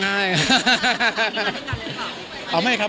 หรือว่าไม่ค่อย